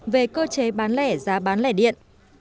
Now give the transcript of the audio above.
về cơ chế bán lẻ giá bán lẻ điện